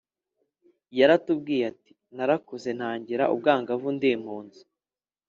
yaratubwiye, ati “narakuze ntangira ubwangavu ndi impunzi